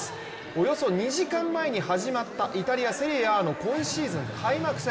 およそ２時間前に始まったイタリア・セリエＡの今シーズン開幕戦。